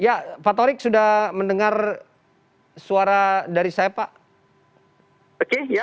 ya pak torik sudah mendengar suara dari saya pak